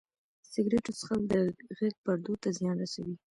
سګرټو څښل د غږ پردو ته زیان رسوي.